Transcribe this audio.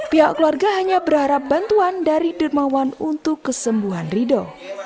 pihak keluarga hanya berharap bantuan dari dermawan untuk kesembuhan rido